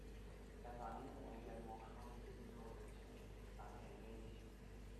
Certains livres ont également changé de numérotation après une réédition.